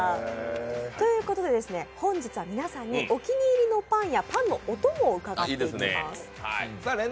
ということで本日は皆さんにお気に入りのパンやパンのお供を伺っていきます。